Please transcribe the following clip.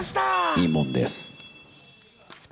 いいもんです。